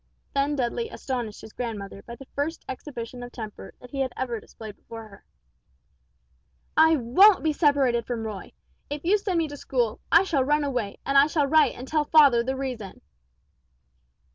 Then Dudley astonished his grandmother by the first exhibition of temper that he had ever displayed before her. "I won't be separated from Roy. If you send me to school, I shall run away, and I shall write and tell father the reason!"